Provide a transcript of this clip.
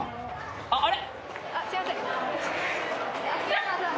あっあれ？